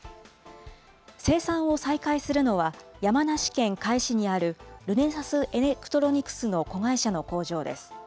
生産を再開するのは、山梨県甲斐市にあるルネサスエレクトロニクスの子会社の工場です。